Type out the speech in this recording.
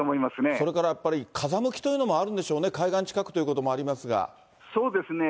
それからやっぱり、風向きというのもあるんでしょうね、海岸そうですね。